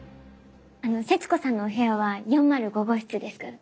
節子さんのお部屋は４０５号室ですから。